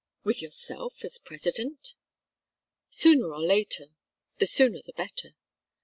"With yourself as President?" "Sooner or later the sooner the better.